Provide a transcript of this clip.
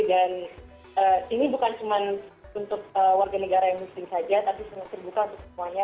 dan ini bukan cuma untuk warga negara yang muslim saja tapi semestinya buka untuk semuanya